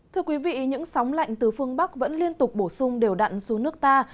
thưa quý vị những sóng lạnh từ phương bắc vẫn liên tục bổ sung đều đặn xuống nước ta